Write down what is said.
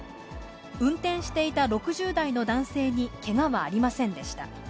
運転していた６０代の男性にけがはありませんでした。